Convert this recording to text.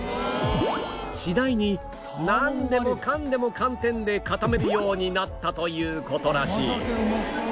次第になんでもかんでも寒天で固めるようになったという事らしい